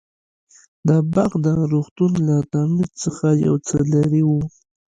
دا باغ د روغتون له تعمير څخه يو څه لرې و.